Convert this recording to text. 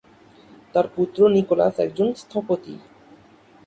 তার পুত্র নিকোলাস একজন স্থপতি।